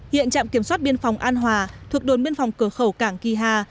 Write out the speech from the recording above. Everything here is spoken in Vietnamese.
hiện trạm kiểm soát biên phòng an hòa thuộc đồn biên phòng cửa khẩu cảng kỳ hà